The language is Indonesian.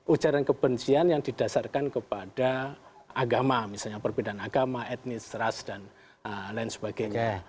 ujaran kebencian yang didasarkan kepada agama misalnya perbedaan agama etnis ras dan lain sebagainya